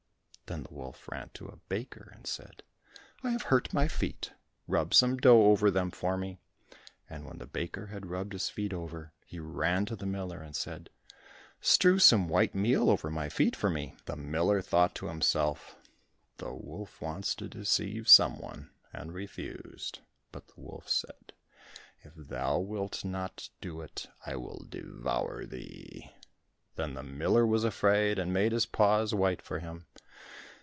Then the wolf ran to a baker and said, "I have hurt my feet, rub some dough over them for me." And when the baker had rubbed his feet over, he ran to the miller and said, "Strew some white meal over my feet for me." The miller thought to himself, "The wolf wants to deceive someone," and refused; but the wolf said, "If thou wilt not do it, I will devour thee." Then the miller was afraid, and made his paws white for him.